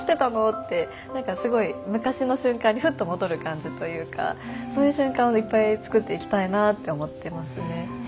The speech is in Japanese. って何かすごい昔の瞬間にふっと戻る感じというかそういう瞬間をいっぱい作っていきたいなって思ってますね。